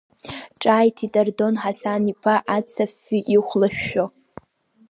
Ҿааиҭит Ардон Ҳасан-иԥа аца афҩы ихәлышәшәо.